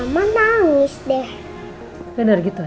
nangis deh bener gitu